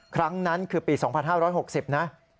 ครั้งนั้นคือปี๒๕๖๐นะ